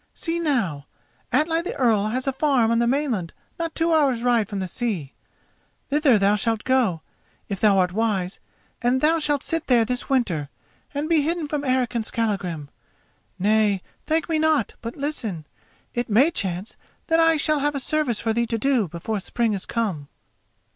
See now, Atli the Earl has a farm on the mainland not two hours' ride from the sea. Thither thou shalt go, if thou art wise, and thou shalt sit there this winter and be hidden from Eric and Skallagrim. Nay, thank me not, but listen: it may chance that I shall have a service for thee to do before spring is come."